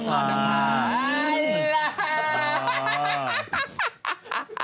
อ่อนภาว